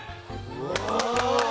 うわ！